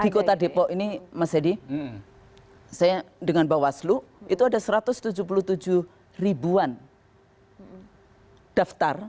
di kota depok ini mas hedi saya dengan bawaslu itu ada satu ratus tujuh puluh tujuh ribuan daftar